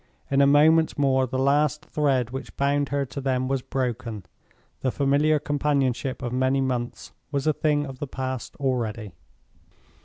In a moment more the last thread which bound her to them was broken; the familiar companionship of many months was a thing of the past already!